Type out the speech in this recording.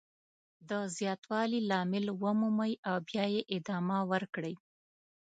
د زیاتوالي لامل ومومئ او بیا یې ادامه ورکړئ.